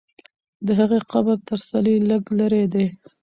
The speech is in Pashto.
د هغې قبر تر څلي لږ لرې دی.